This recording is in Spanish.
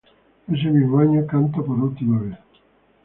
Ese mismo año canta por última vez.